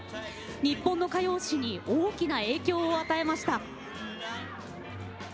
日本の歌謡史に大きな影響を与えました。